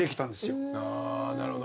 あなるほど。